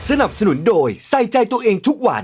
สนับสนุนโดยใส่ใจตัวเองทุกวัน